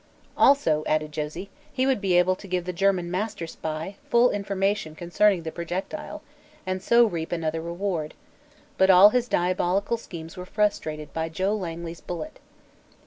"Also," added Josie, "he would be able to give the German Master Spy full information concerning the projectile, and so reap another reward. But all his diabolical schemes were frustrated by Joe Langley's bullet."